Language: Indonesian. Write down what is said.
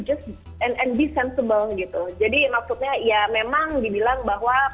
and be sensible gitu jadi maksudnya ya memang dibilang bahwa